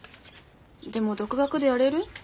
でも独学でやれる？